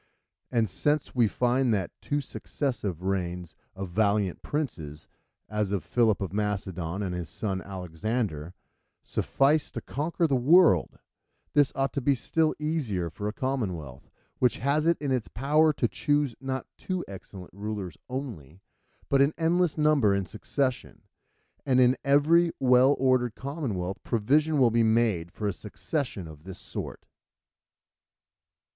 And since we find that two successive reigns of valiant princes, as of Philip of Macedon and his son Alexander, suffice to conquer the world, this ought to be still easier for a commonwealth, which has it in its power to choose, not two excellent rulers only, but an endless number in succession. And in every well ordered commonwealth provision will be made for a succession of this sort.